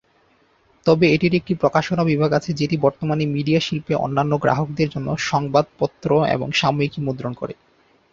তবে এটির একটি প্রকাশনা বিভাগ আছে যেটি বর্তমানে মিডিয়া শিল্পে অন্যান্য গ্রাহকদের জন্য সংবাদপত্র এবং সাময়িকী মুদ্রণ করে।